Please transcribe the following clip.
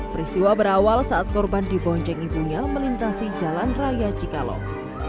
peristiwa berawal saat korban dibonceng ibunya melintasi jalan raya cikalong